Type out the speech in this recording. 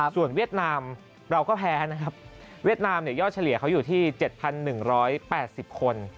ส่วนเวียดนามเราก็แพ้นะครับเวียดนามยอดเฉลี่ยเขาอยู่ที่๗๑๘๐คน